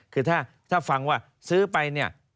คือถ้าฟังว่าซื้อไป